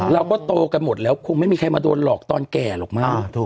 เราก็โตกันหมดแล้วคงไม่มีใครมาโดนหลอกตอนแก่หรอกมั้ง